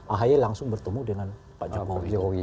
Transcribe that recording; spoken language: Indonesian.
ahy langsung bertemu dengan pak jokowi